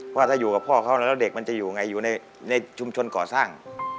เพราะถ้าอยู่กับพ่อเขาแล้วเด็กมันจะอยู่ไงอยู่ในชุมชนก่อสร้าง